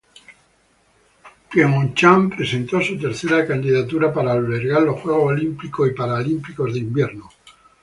Pieonchang presentó su tercera candidatura para albergar los Juegos Olímpicos y Paralímpicos de Invierno.